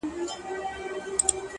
ځوان دعا کوي _